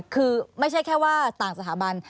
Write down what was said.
คือไม่ใช่แค่ว่าต่างสถาบัน